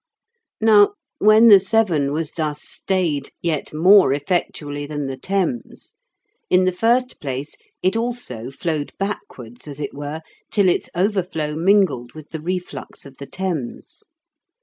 Now when the Severn was thus stayed yet more effectually than the Thames, in the first place it also flowed backwards as it were, till its overflow mingled with the reflux of the Thames.